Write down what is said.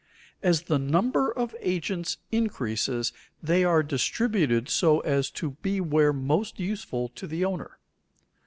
As the number of agents increases they are distributed so as to be where most useful to the owner.